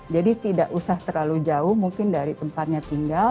jadi tidak usah terlalu jauh mungkin dari tempatnya tinggal